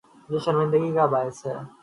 یہ شرمندگی کا باعث ہے۔